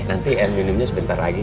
nanti air minumnya sebentar lagi